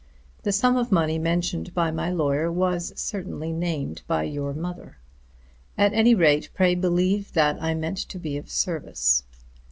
The sum of money mentioned by my lawyer was certainly named by your mother. At any rate pray believe that I meant to be of service.